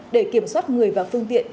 để kiểm soát người và phương tiện